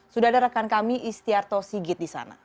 sudah ada rekan kami istiarto sigit di sana